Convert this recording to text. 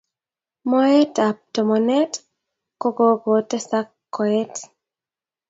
Moet ab tomonet kokokotesek koet.